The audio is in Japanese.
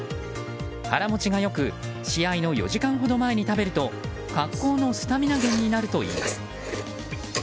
腹持ちが良く試合の４時間ほど前に食べると格好のスタミナ源になるといいます。